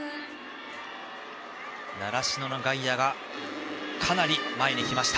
習志野の外野がかなり前に来ました。